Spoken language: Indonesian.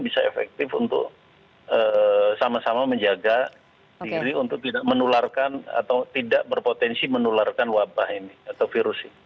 bisa efektif untuk sama sama menjaga diri untuk tidak menularkan atau tidak berpotensi menularkan wabah ini atau virus ini